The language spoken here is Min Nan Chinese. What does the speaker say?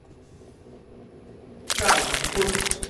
鑑核